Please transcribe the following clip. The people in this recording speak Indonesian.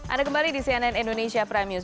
anda kembali di cnn indonesia prime news